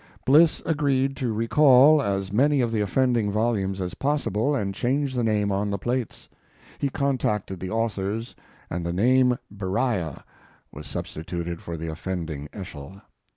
Bliss agreed to recall as many of the offending volumes as possible and change the name on the plates. He contacted the authors, and the name Beriah was substituted for the offending Eschol.